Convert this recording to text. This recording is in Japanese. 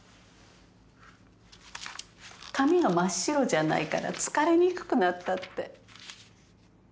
紙が真っ白じゃないから疲れにくくなったって。